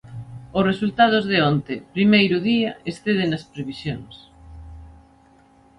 Os resultados de onte, primeiro día, exceden as previsións.